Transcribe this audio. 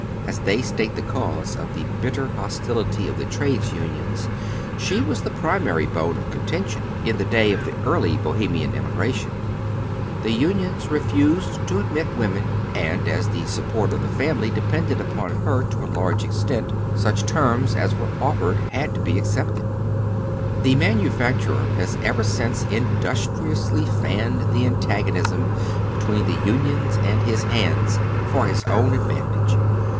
As they state the cause of the bitter hostility of the trades unions, she was the primary bone of contention in the day of the early Bohemian immigration. The unions refused to admit the oy Google THE BOHEMIANS. 139 women, and, as the support of the family depeoded upon her to a large extent, 8u<!h terms as were offered Jiad to be accepted. The raaiiiifacturer has ever since industri ously fanned the antagonism between the unions and liis Jiands, for his own advantage.